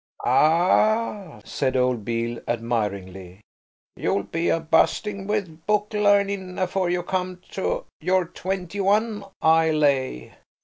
"Ah," said old Beale admiringly, "you'll be a busting with book larnin' afore you come to your twenty one, I lay.